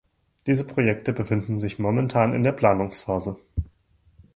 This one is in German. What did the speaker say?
Diese Projekte befinden sich momentan in der Planungsphase.